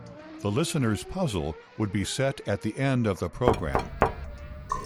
The Listener's Puzzle would be set at the end of the programme.